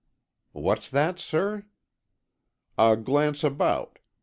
"What's that, sir?" "A glance about.